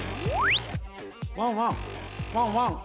ワンワンワンワン！